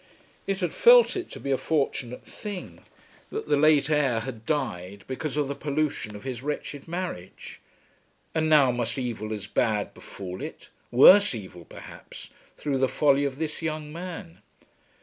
It had felt it to be a fortunate thing that the late heir had died because of the pollution of his wretched marriage. And now must evil as bad befall it, worse evil perhaps, through the folly of this young man?